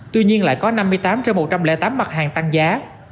tuy nhiên lại có năm mươi tám trên một trăm linh tám mặt hàng tăng giá